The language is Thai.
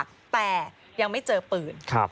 แต่ยังไม่เจอปืน